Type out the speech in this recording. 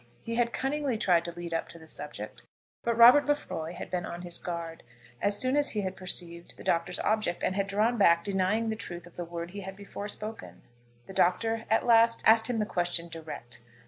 He had cunningly tried to lead up to the subject, but Robert Lefroy had been on his guard as soon as he had perceived the Doctor's object, and had drawn back, denying the truth of the word he had before spoken. The Doctor at last asked him the question direct.